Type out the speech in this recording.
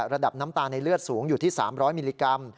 ระดับน้ำตาลในเลือดสูงอยู่ที่๓๐๐มิลลิกรัม